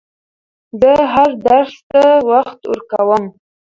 زه هر درس ته وخت ورکووم.